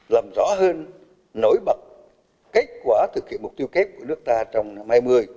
làm rõ hơn nổi bật kết quả thực hiện mục tiêu kép của nước ta trong năm hai nghìn hai mươi